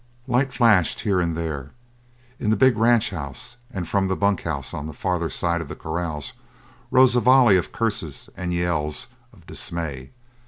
Lights flashed, here and there, in the big ranch house; and from the bunk house on the farther side of the corrals rose a volley of curses and yells of dismay.